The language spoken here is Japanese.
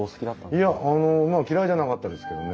いやまあ嫌いじゃなかったですけどね。